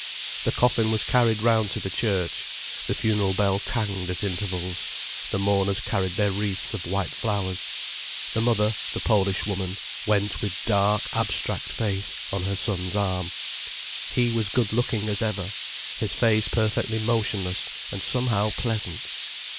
The coffin was carried round to the church, the funeral bell tanged at intervals, the mourners carried their wreaths of white flowers. The mother, the Polish woman, went with dark, abstract face, on her son's arm. He was good looking as ever, his face perfectly motionless and somehow pleasant.